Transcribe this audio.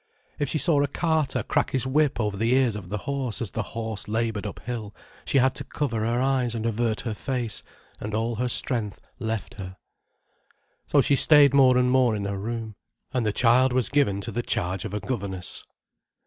If she saw a carter crack his whip over the ears of the horse, as the horse laboured uphill, she had to cover her eyes and avert her face, and all her strength left her. So she stayed more and more in her room, and the child was given to the charge of a governess.